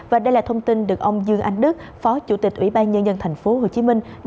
và đây là thông tin được ông dương anh đức phó chủ tịch ủy ban nhân dân tp hcm